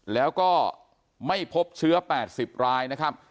แล้วก็ไม่พบเชื้อ๘๐รายนะครับ